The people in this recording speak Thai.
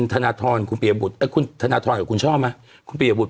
ธนทรคุณปียบุตรคุณธนทรกับคุณชอบไหมคุณปียบุต